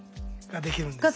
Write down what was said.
ができる。